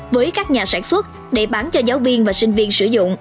với các nhà sản xuất để bán cho giáo viên và sinh viên sử dụng